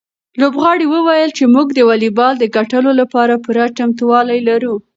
لوبغاړي وویل چې موږ د واليبال د ګټلو لپاره پوره چمتووالی لرو.